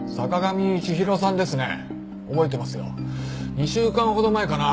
２週間ほど前かな？